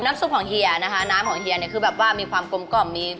ซุปของเฮียนะคะน้ำของเฮียเนี่ยคือแบบว่ามีความกลมกล่อมมี